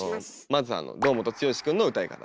まずあの堂本剛くんの歌い方。